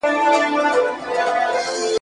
اوس به روژې د ابوجهل په نارو ماتوو ,